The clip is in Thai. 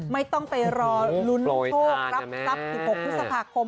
ไม่ต้องไปรอลุ้นโชครับทรัพย์๑๖พฤษภาคม